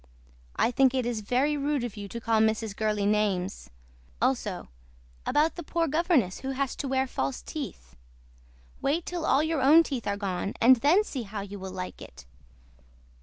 I THINK IT IS VERY RUDE OF YOU TOO TO CALL MRS. GURLEY NAMES. ALSO ABOUT THE POOR GOVERNESS WHO HAS TO WEAR FALSE TEETH. WAIT TILL ALL YOUR OWN TEETH ARE GONE AND THEN SEE HOW YOU WILL LIKE IT.